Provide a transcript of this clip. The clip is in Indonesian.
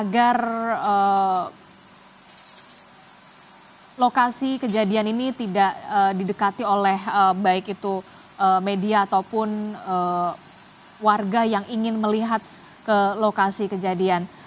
agar lokasi kejadian ini tidak didekati oleh baik itu media ataupun warga yang ingin melihat ke lokasi kejadian